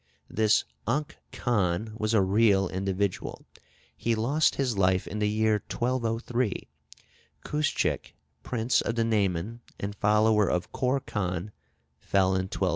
This Unk Khan was a real individual; he lost his life in the year 1203. Kuschhik, prince of the Nayman, and follower of Kor Khan, fell in 1218.